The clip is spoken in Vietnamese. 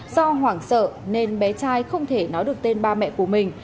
do hoảng sợ nên bé trai không thể nói được tên ba mẹ của mình